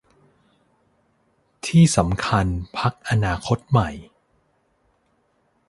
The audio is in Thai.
ที่สำคัญพรรคอนาคตใหม่